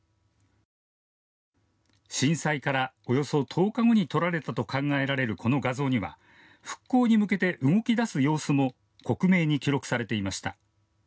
震災から、およそ１０日後に撮られたと考えられるこの画像には復興に向けて動き出す様子も克明に記録されていました。